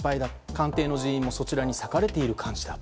官邸の人員もそちらに割かれている感じだ。